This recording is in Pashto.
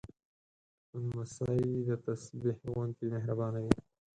لمسی د تسبېح غوندې مهربانه وي.